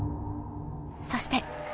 そして。